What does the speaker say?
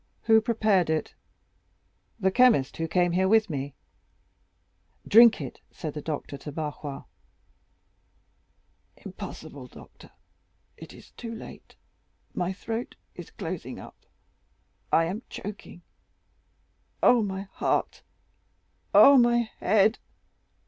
"Who prepared it?" "The chemist who came here with me." 40116m "Drink it," said the doctor to Barrois. "Impossible, doctor; it is too late; my throat is closing up. I am choking! Oh, my heart! Ah, my head!